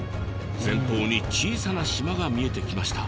前方に小さな島が見えてきました。